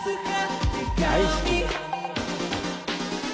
大好き。